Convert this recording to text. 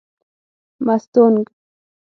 مستونگ